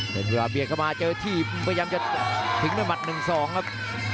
เผ็ดบุรภาพเบียดเข้ามาเจอทีบพยายามจะถึงในหมัด๑๒ครับ